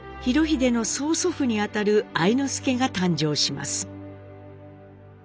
裕英の曽祖父にあたる愛之助が誕生します。